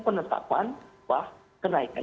penetapan upah kenaikan